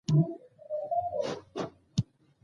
هڅه وکړئ په پښتو وږغېږئ.